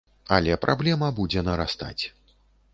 Але праблема будзе нарастаць.